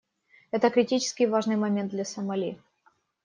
Это критически важный момент для Сомали.